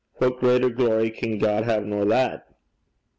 What greater glory can God hae nor that?'